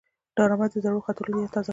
ډرامه د زړو خاطرو یاد تازه کوي